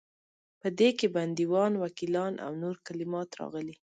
په دې کې بندیوان، وکیلان او نور کلمات راغلي.